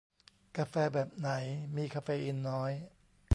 กาแฟแบบไหนมีคาเฟอีนน้อย